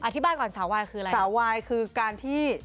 ที่บ้านก่อนสาววายคืออะไรสาววายคือการที่